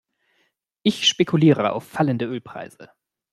Ich spekuliere auf fallende Ölpreise.